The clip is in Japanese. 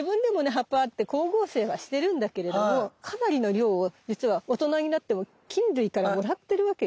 葉っぱあって光合成はしてるんだけれどもかなりの量をじつは大人になっても菌類からもらってるわけよ。